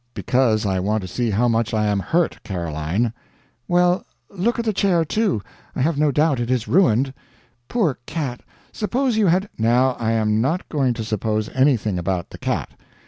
"Because I want to see how much I am hurt, Caroline." "Well, look at the chair, too I have no doubt it is ruined. Poor cat, suppose you had " "Now I am not going to suppose anything about the cat.